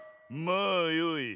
まあよい。